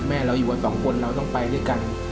แม่เราอยู่ว่า๒คนเราต้องไปด้วยกัน